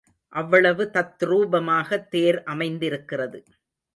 அவ்வளவு தத்ரூபமாக தேர் அமைந்திருக்கிறது.